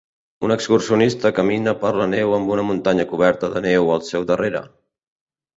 Un excursionista camina per la neu amb una muntanya coberta de neu al seu darrere